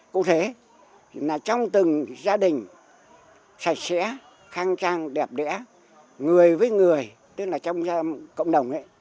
cụ thể là trong từng gia đình sạch sẽ khang trang đẹp đẽ người với người tức là trong cộng đồng